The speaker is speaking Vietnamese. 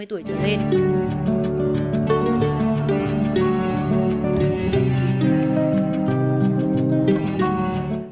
hãy đăng ký kênh để ủng hộ kênh của mình nhé